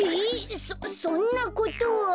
そそんなことは。